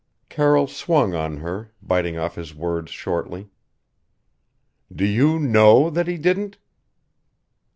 Carroll swung on her, biting off his words shortly: "Do you know that he didn't?"